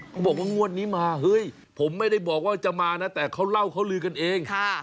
เขาบอกว่างวดนี้มาเฮ้ยผมไม่ได้บอกว่าจะมานะแต่เขาเล่าเขาลือกันเอง